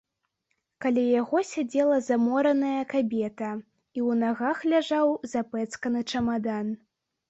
Каля яго сядзела замораная кабета, у іх нагах ляжаў запэцканы чамадан.